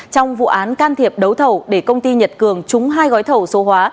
trong vụ án can thiệp đấu thầu để công ty nhật cường trúng hai gói thầu số hóa